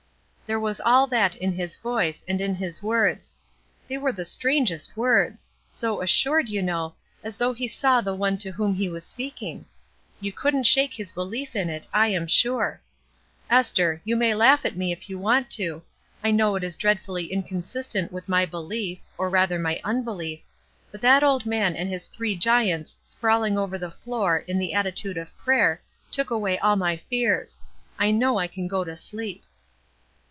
There was all that in his voice, and in his words. They were the strangest words! so assured, you know, as though he saw the one to whom he was speaking. You couldn't shake his belief in it, I am sure. Esther, you may laugh at me if you want to; I know it is dreadfully incon sistent with my belief, or rather my unbeUef, but that old man and his three giants sprawling 184 ESTER RIED'S NAMESAKE over the floor in the attitude of prayer took away all my fears. I know I can go to sleep."